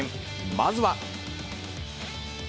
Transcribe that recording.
まずは。